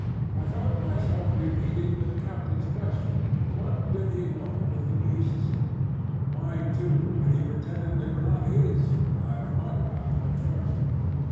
I found myself repeating the captain's question. What did he want with the beasts? Why, too, had he pretended they were not his when I had remarked about them at first?